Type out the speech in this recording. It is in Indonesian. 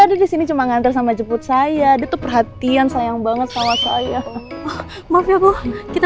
enggak di sini cuma ngantar sama jeput saya itu perhatian sayang banget sama saya maaf ya bu kita